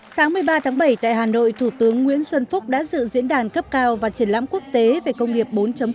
sáng một mươi ba tháng bảy tại hà nội thủ tướng nguyễn xuân phúc đã dự diễn đàn cấp cao và triển lãm quốc tế về công nghiệp bốn